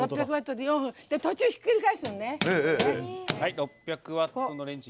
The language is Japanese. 途中ひっくり返すのね。